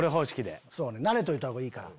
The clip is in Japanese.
そうね慣れといた方がいいから。